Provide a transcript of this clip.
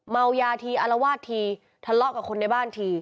เมายาทีอารวาสทีทะเลาะกับคนในบ้านที